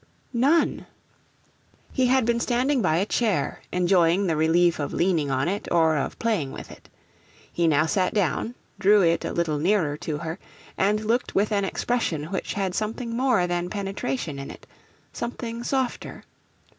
'None.' He had been standing by a chair, enjoying the relief of leaning on it, or of playing with it. He now sat down, drew it a little nearer to her, and looked with an expression which had something more than penetration in it something softer.